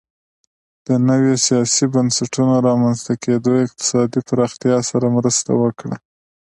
د نویو سیاسي بنسټونو رامنځته کېدو اقتصادي پراختیا سره مرسته وکړه